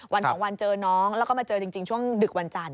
วันสองวันเจอน้องแล้วก็มาเจอจริงช่วงดึกวันจันท